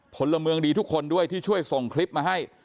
พลเมืองดีทุกคนด้วยที่ช่วยส่งคลิปมาให้